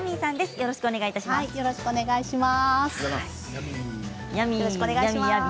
よろしくお願いします。